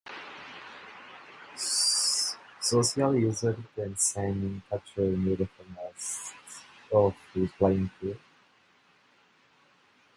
Scioscia used the same catcher's mitt for most of his playing career.